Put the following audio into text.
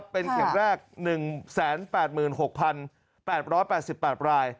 เป็นเข็มแรก๑๘๖๘๘ราย